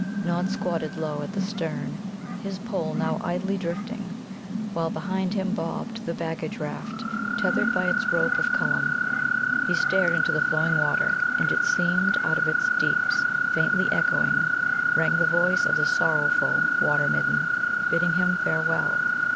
Nod squatted low at the stern, his pole now idly drifting, while behind him bobbed the baggage raft, tethered by its rope of Cullum. He stared into the flowing water, and it seemed out of its deeps, faintly echoing, rang the voice of the sorrowful Water midden, bidding him farewell.